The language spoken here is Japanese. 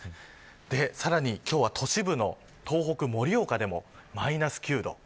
さらに都市部の東北、盛岡でもマイナス９度。